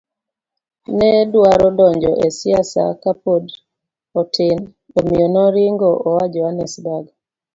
ne dwaro donjo e siasa ka pod otin, omiyo noringo oa Johannesburg.